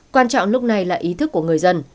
quan trọng lúc này là ý thức của người dân